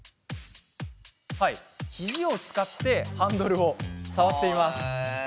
肘を使ってハンドルを触っています。